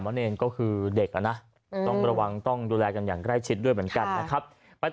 เนรก็คือเด็กอ่ะนะต้องระวังต้องดูแลกันอย่างใกล้ชิดด้วยเหมือนกันนะครับ